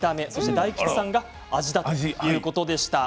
大吉さんが味ということですね。